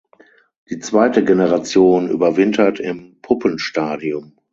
Die zweite Generation überwintert im Puppenstadium.